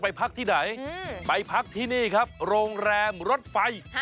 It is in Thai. พักที่ไหนไปพักที่นี่ครับโรงแรมรถไฟ